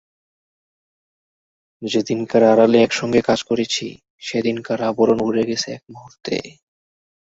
যেদিনকার আড়ালে একসঙ্গে কাজ করেছি সেদিনকার আবরণ উড়ে গেছে এক মুহূর্তে।